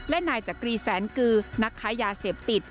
และนายจักรีแสนกือนักค้ายาเสพติด